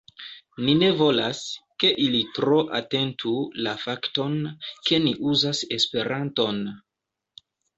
Ni ne volas, ke ili tro atentu la fakton, ke ni uzas Esperanton